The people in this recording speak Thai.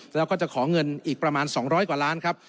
แล้วก็จะขอเงินอีกประมาณ๒๐๐กว่าล้านครับ